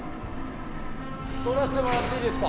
通らせてもらっていいですか。